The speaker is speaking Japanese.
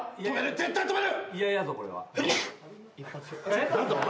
絶対止める！